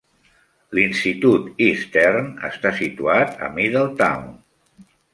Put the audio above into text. L'Institut Eastern està situat a Middletown.